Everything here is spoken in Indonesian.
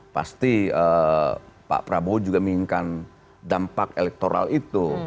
pasti pak prabowo juga menginginkan dampak elektoral itu